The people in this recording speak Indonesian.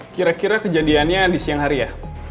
kira kira kejadiannya di siang hari ya